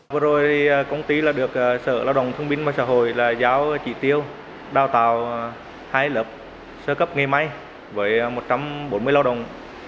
vừa rồi công ty được sở lao động thông minh và xã hội giáo trị tiêu đào tạo hai lớp sơ cấp nghề may với một trăm bốn mươi lao động